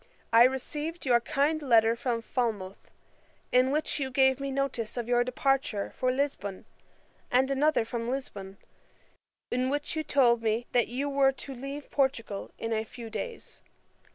I received your kind letter from Falmouth, in which you gave me notice of your departure for Lisbon, and another from Lisbon, in which you told me, that you were to leave Portugal in a few days.